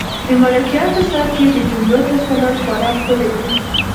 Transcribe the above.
د ملکیار په سبک کې د جملو تسلسل خورا ښکلی دی.